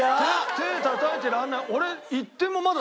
手たたいてられない。